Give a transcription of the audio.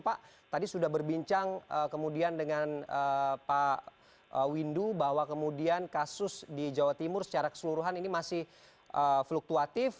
pak tadi sudah berbincang kemudian dengan pak windu bahwa kemudian kasus di jawa timur secara keseluruhan ini masih fluktuatif